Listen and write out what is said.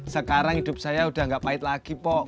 sekarang hidup saya udah gak pahit lagi pok